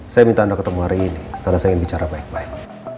saya minta anda ketemu hari ini karena saya ingin bicara baik baik